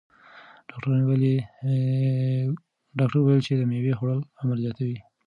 ډاکتر وویل چې د مېوې خوړل عمر زیاتوي.